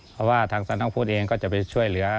เพราะว่าทางสำนักพุทธเองก็จะไปช่วยเหลือ